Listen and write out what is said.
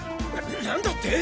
何だって！